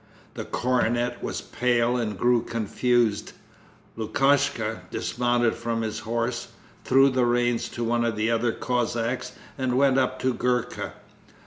The cornet was pale and grew confused. Lukashka dismounted from his horse, threw the reins to one of the other Cossacks, and went up to Gurka.